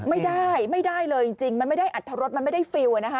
ไม่ได้ไม่ได้เลยจริงมันไม่ได้อัตรรสมันไม่ได้ฟิลล์นะคะ